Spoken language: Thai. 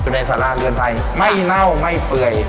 ในสาราเรือนไทยไม่เน่าไม่เปื่อย